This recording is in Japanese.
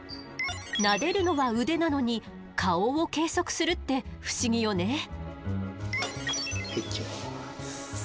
なでるのは腕なのに顔を計測するって不思議よね。